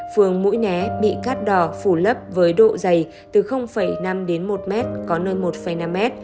phường mũi né bị cắt đò phủ lấp với độ dày từ năm đến một m có nơi một năm m